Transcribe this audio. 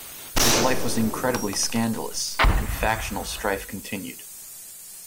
His life was incredibly scandalous, and factional strife continued.